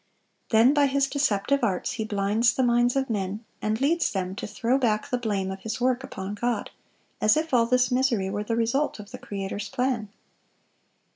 Then by his deceptive arts he blinds the minds of men, and leads them to throw back the blame of his work upon God, as if all this misery were the result of the Creator's plan.